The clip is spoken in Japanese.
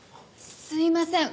すいません。